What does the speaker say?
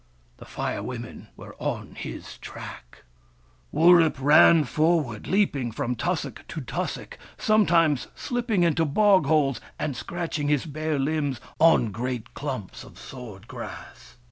The Fire Women were on his track. Wurip ran forward, leaping from tussock to tus sock, sometimes slipping into bog holes, and scratch ing his bare limbs on great chimps of sword grass.